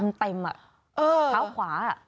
อมเต็มอ่ะเท้าขวาอ่ะ